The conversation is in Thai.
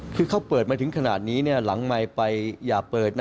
คือเขาเปิดมาถึงขนาดนี้หลังไมค์ไปอย่าเปิดนะ